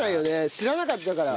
知らなかったから。